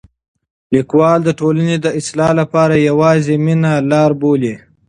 لیکوال د ټولنې د اصلاح لپاره یوازې مینه لاره بولي.